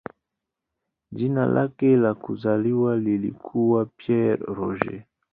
Jina lake la kuzaliwa lilikuwa "Pierre Roger".